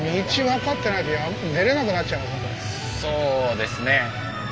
そうですね。